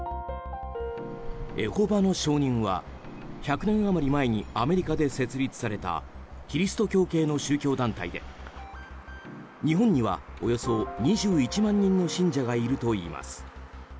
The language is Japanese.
エホバの証人は１００年余り前にアメリカで設立されたキリスト教系の宗教団体で日本には、およそ２１万人の信者がいるといいます。